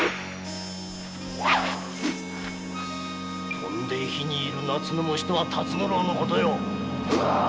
「飛んで火に入る夏の虫」とは辰五郎の事よ。